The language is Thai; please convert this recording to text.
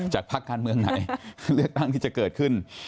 ภาคการเมืองไหนเลือกตั้งที่จะเกิดขึ้น